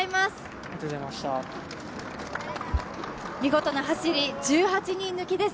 見事な走り、１８人抜きです。